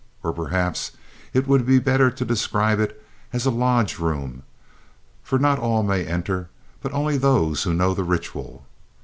Or perhaps it would be better to describe it as a lodge room, for not all may enter, but only those who know the ritual.